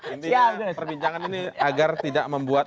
intinya perbincangan ini agar tidak membuat